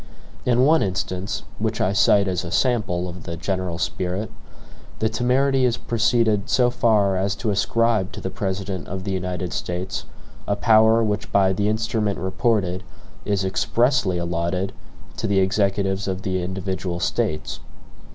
In one instance, which I cite as a sample of the general spirit, the temerity has proceeded so far as to ascribe to the President of the United States a power which by the instrument reported is EXPRESSLY allotted to the Executives of the individual States.